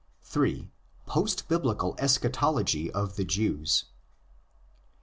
38.—Post Biblical Eschatology of the Jews.